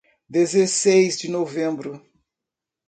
Dezesseis de Novembro